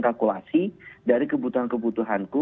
kalkulasi dari kebutuhan kebutuhanku